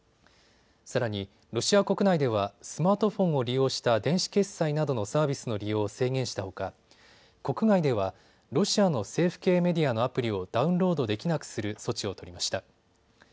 さらに、ロシア国内ではスマートフォンを利用した電子決済などのサービスの利用を制限したほか国外ではロシアの政府系メディアのアプリをダウンロードできなくする措置を取りました。